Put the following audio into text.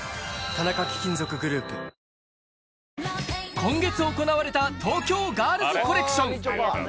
今月行われた、東京ガールズコレクション。